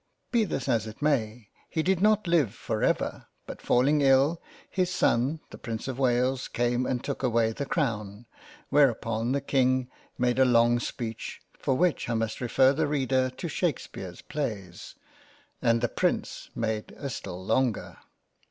Be this as it may, he did not live for ever, but falling ill, his son the Prince of Wales came and took away the crown ; whereupon the King made a long speech, for which I must refer the Reader to Shakespear's Plays, and the Prince made a still longer.